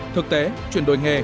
thực tế chuyển đổi nghề